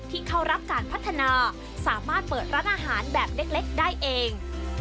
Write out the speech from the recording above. เข้ารับการพัฒนาสามารถเปิดร้านอาหารแบบเล็กได้เอง